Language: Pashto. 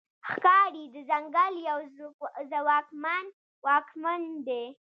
ښکاري د ځنګل یو ځواکمن واکمن دی.